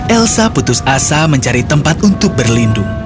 elsa putus asa mencari tempat untuk berlindung